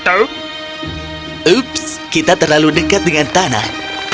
ops kita terlalu dekat dengan tanah